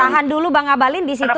tahan dulu bang abalin di situ